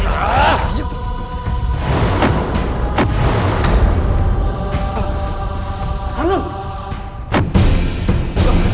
saya saya tidak bersalah